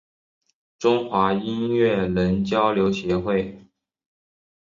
中华音乐人交流协会